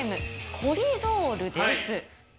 コリドールです。